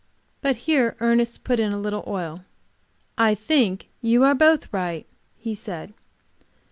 But here Ernest put in a little oil. "I think you are both right," he said.